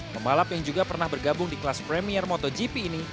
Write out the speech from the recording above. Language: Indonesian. pembalap yang juga pernah bergabung di kelas premier motogp ini